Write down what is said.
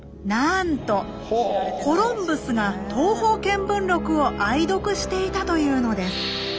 なんとコロンブスが「東方見聞録」を愛読していたというのです。